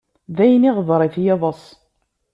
D ayen, iɣder-it yiḍes.